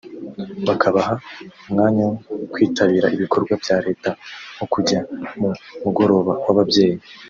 bakabaha umwanya wo kwitabira ibikorwa bya Leta nko kujya mu mugoroba w’ababyeyi